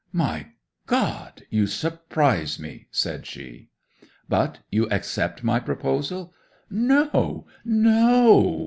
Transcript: '"My God! You surprise me!" said she. '"But you accept my proposal?" '"No, no!"